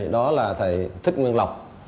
đó là thầy thích nguyên lộc